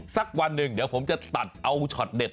สักวันหนึ่งเดี๋ยวผมจะตัดเอาช็อตเด็ด